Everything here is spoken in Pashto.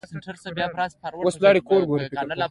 په ستړیا او خواشینۍ مې خپل شهرت بیانول.